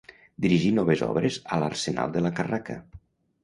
Dirigí noves obres a l'arsenal de la Carraca.